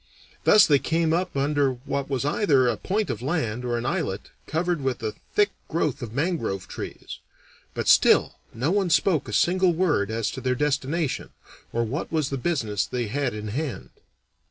Thus they came up under what was either a point of land or an islet covered with a thick growth of mangrove trees. But still no one spoke a single word as to their destination, or what was the business they had in hand.